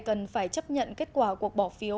cần phải chấp nhận kết quả cuộc bỏ phiếu